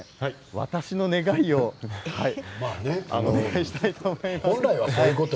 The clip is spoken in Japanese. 私の願いをお願いしたいと思います。